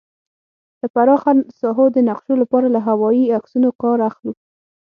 د پراخه ساحو د نقشو لپاره له هوايي عکسونو کار اخلو